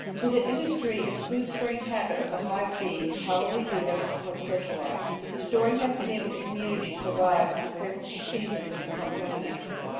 To the industry and food storing habit of the Hive Bee is probably due their complex social life; the storing has enabled the com munity to survive unfavourable seasons and become permanent.